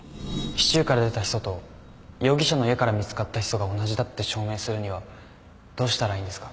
シチューから出たヒ素と容疑者の家から見つかったヒ素が同じだって証明するにはどうしたらいいんですか？